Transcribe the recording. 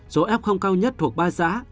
số f cao nhất thuộc ba xã